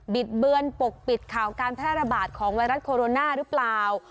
ิดเบือนปกปิดข่าวการแพร่ระบาดของไวรัสโคโรนาหรือเปล่า